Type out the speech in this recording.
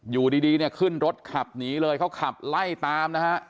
อยู่ดีเนี่ยขึ้นรถขับหนีเลยเขาขับไล่ตามนะฮะ